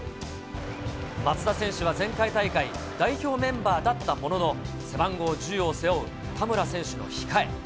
松田選手は前回大会、代表メンバーだったものの、背番号１０を背負う田村選手の控え。